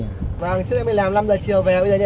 vâng trước em mới làm năm h chiều về bây giờ em mới về nhà